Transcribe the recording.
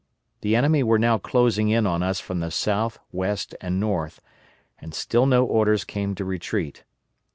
The enemy were now closing in on us from the south, west, and north, and still no orders came to retreat.